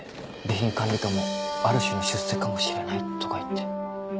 「備品管理課もある種の出世かもしれない」とか言って。